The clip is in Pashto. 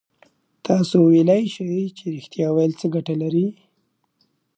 تاسو ویلای شئ چې رښتيا ويل څه گټه لري؟